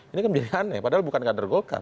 ini kan menjadi aneh padahal bukan kader golkar